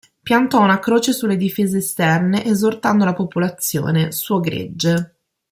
Piantò una croce sulle difese esterne esortando la popolazione, suo gregge.